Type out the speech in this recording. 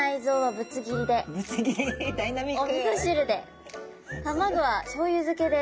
ぶつ切りダイナミック！